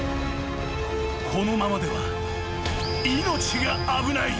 ［このままでは命が危ない］